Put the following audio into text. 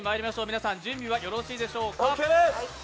皆さん、準備はよろしいでしょうか。